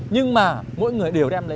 nhưng mà mỗi người đều đem